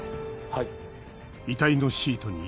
はい。